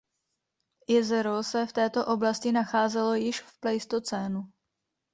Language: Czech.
Jezero se v této oblasti nacházelo již v pleistocénu.